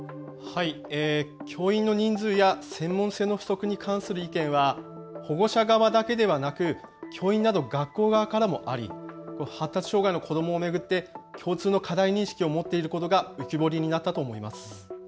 教員の人数や専門性の不足に関する意見は保護者側だけではなく教員など学校側からもあり発達障害の子どもを巡って共通の課題認識を持っていることが浮き彫りになったと思います。